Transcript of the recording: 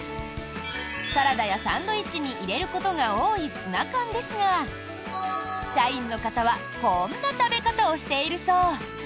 サラダやサンドイッチに入れることが多いツナ缶ですが社員の方はこんな食べ方をしているそう。